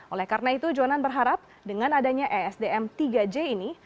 oleh karena itu jonan berharap dengan adanya esdm tiga j ini